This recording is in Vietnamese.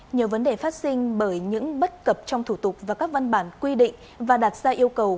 nhiều vấn đề phát sinh bởi những bất cập trong thủ tục và các văn bản quy định và đặt ra yêu cầu